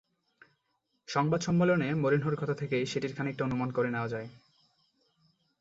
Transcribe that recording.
সংবাদ সম্মেলনে মরিনহোর কথা থেকেই সেটির খানিকটা অনুমান করে নেওয়া যায়।